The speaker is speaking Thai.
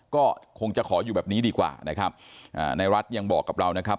ก็คงจะขออยู่แบบนี้ดีกว่านะครับอ่าในรัฐยังบอกกับเรานะครับ